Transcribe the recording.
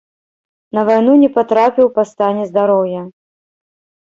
На вайну не патрапіў па стане здароўя.